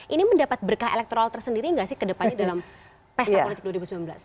ini mendapat berkah elektrol tersendiri nggak sih kedepannya dalam pesakunitik dua ribu sembilan belas